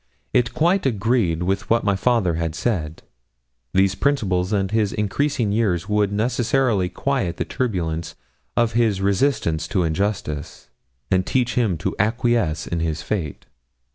It quite agreed with what my father had said. These principles and his increasing years would necessarily quiet the turbulence of his resistance to injustice, and teach him to acquiesce in his fate.